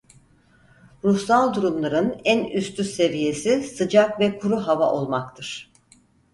Ruhsal durumların en üstü seviyesi sıcak ve kuru hava olmaktır.